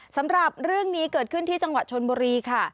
สำหรับเรื่องนี้เกิดขึ้นที่จังหวัดชนบุรีค่ะ